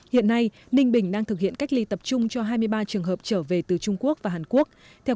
hiện nay ninh bình đang thực hiện cách ly tập trung cho hai mươi ba trường hợp trở về từ trung quốc và hàn quốc